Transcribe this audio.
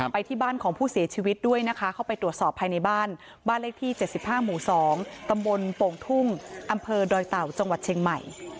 ไปที่บ้านของผู้เสียชีวิตด้วยนะคะเข้าไปตรวจสอบภายในบ้านบ้านเลขที่๗๕หมู่๒ตำบลโป่งทุ่งอำเภอดอยเต่าจังหวัดเชียงใหม่